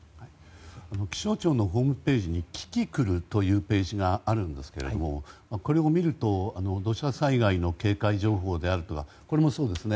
気象庁のホームページにキキクルというページがあるんですがこれを見ると土砂災害の警戒情報であるとかこれもそうですね